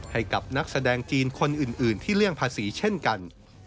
ให้กับนักแสดงจีนคนอื่นที่เลี่ยงภาษีเช่นกัน